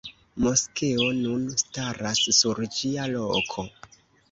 Moskeo nun staras sur ĝia loko.